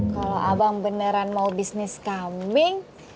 kalau abang beneran mau bisnis kambing